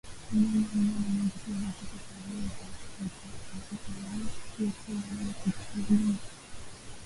Mnyama aliye na maambukizi ya kichaa cha mbwa hujaribu kukwea vichuguu